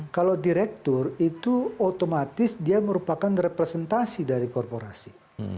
kalau direktur itu otomatis dia merupakan representasi dari korporasi